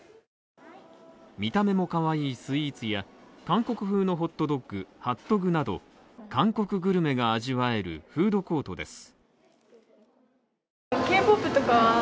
見た目もかわいいスイーツや韓国風のホットドッグ、ハットグなど、韓国グルメが味わえるフードコートです。